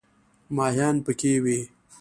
ماهیان پکې وي.